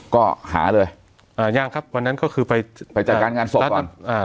ก็หาเลยยังครับวันนั้นก็คือไปจัดการงานศพก่อน